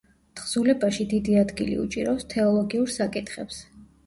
თხზულებაში დიდი ადგილი უჭირავს თეოლოგიურ საკითხებს.